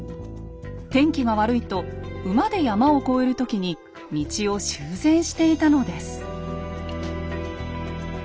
天気が悪いと馬で山を越える時に道を修繕していたのです。